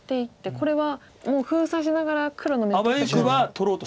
これはもう封鎖しながら黒の眼を取っていこうと。